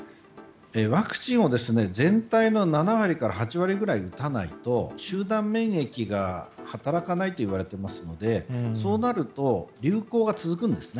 ワクチンを全体の７割から８割くらい打たないと集団免疫が働かないといわれていますのでそうなると流行が続くんですね。